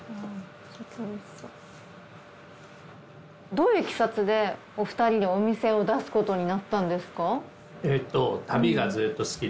どういういきさつでお二人でお店を出すことになったんですか？